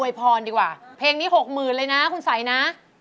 พรดีกว่าเพลงนี้หกหมื่นเลยนะคุณสัยนะ